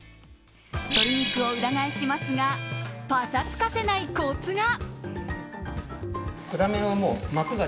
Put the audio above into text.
鶏肉を裏返しますがパサつかせないコツが。